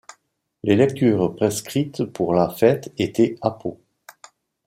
Les lectures prescrites pour la fête étaient Apo.